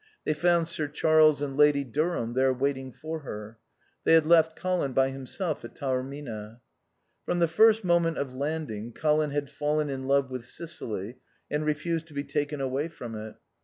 They found Sir Charles and Lady Durham there waiting for her. They had left Colin by himself at Taormina. From the first moment of landing Colin had fallen in love with Sicily and refused to be taken away from it.